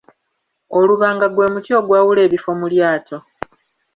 Olubanga gwe muti ogwawula ebifo mu lyato.